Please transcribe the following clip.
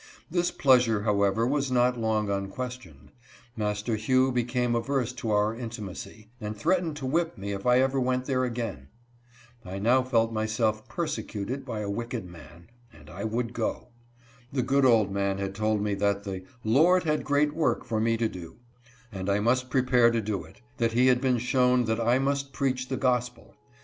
This pleasure, however, was not long unquestioned. Master Hugh became averse to mir__intimacy, and threatened to whip me if I ever went there again. I now felt_myself perse cuted by a wicked man, and I would go. The good old man had told me that the " Lord jiad great work for me to do," and I must prepare to do it ; that he had been shown that I must preach the gospel.